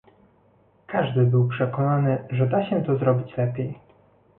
Każdy był przekonany, że da się to zrobić lepiej